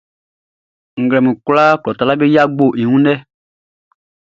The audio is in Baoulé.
Nglɛmun kwlaaʼn, klɔ taluaʼm be yia gboʼn i wun lɛ.